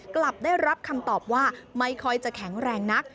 กลับได้รับคำตอบว่าไม่ค่อยจะแข็งแรงนัก